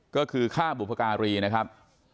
ก็คือฆ่าบุพการีนะครับ